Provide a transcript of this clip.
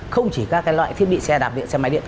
không chỉ các loại thiết bị xe đạp điện xe máy điện